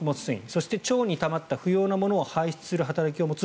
そして腸にたまった不要なものを排出する働きを持つ